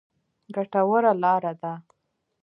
ګټوره لاره ده.